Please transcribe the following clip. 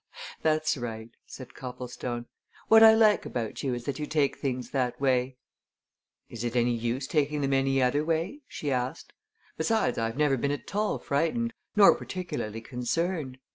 "That's right," said Copplestone. "What I like about you is that you take things that way." "Is it any use taking them any other way?" she asked. "Besides I've never been at all frightened nor particularly concerned.